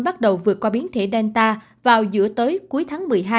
bắt đầu vượt qua biến thể danta vào giữa tới cuối tháng một mươi hai